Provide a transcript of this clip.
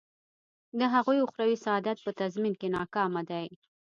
د هغوی اخروي سعادت په تضمین کې ناکامه دی.